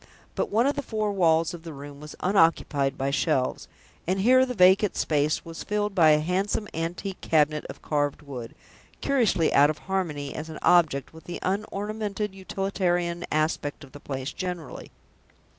But one of the four walls of the room was unoccupied by shelves, and here the vacant space was filled by a handsome antique cabinet of carved wood, curiously out of harmony, as an object, with the unornamented utilitarian aspect of the place generally.